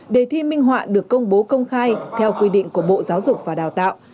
đề thi minh họa được công bố công khai theo quy định của bộ giáo dục và đào tạo